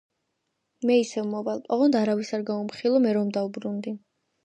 მე ისევ მოვალ, ოღონდ არავის, არ გაუმხილო, რომ მე დავბრუნდი.